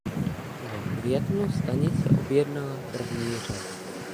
V květnu stanice objednala první řadu.